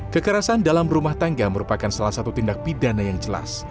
kekerasan dalam rumah tangga merupakan salah satu tindak pidana yang jelas